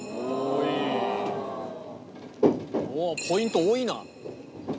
ポイント多いな。